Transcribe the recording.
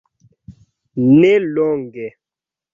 Ne longe.